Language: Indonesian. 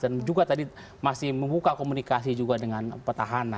juga tadi masih membuka komunikasi juga dengan petahana